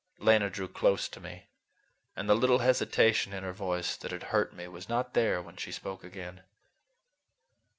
Lena drew close to me, and the little hesitation in her voice that had hurt me was not there when she spoke again.